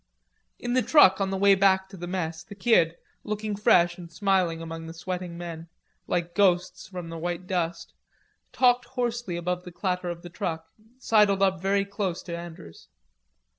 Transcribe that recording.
In the truck on the way back to the mess the Kid, looking fresh and smiling among the sweating men, like ghosts from the white dust, talking hoarsely above the clatter of the truck, sidled up very close to Andrews.